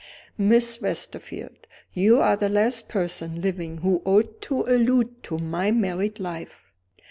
"Miss Westerfield, you are the last person living who ought to allude to my married life."